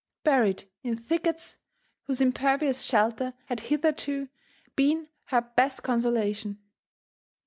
— ^Buried in thickets whose impervious shelter had hitherto been her best con solation.